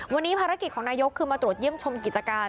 วันนี้ภารกิจของนายกคือมาตรวจเยี่ยมชมกิจการ